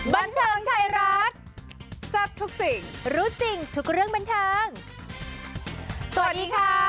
บันเทิงไทยรัฐแซ่บทุกสิ่งรู้จริงทุกเรื่องบันเทิงสวัสดีค่ะ